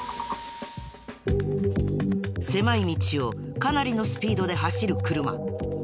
狭い道をかなりのスピードで走る車。